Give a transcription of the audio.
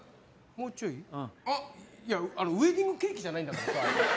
ウエディングケーキじゃないんだからさ。